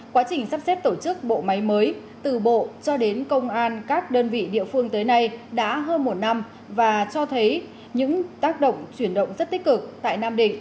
quá trình sắp xếp tổ chức bộ máy mới từ bộ cho đến công an các đơn vị địa phương tới nay đã hơn một năm và cho thấy những tác động chuyển động rất tích cực tại nam định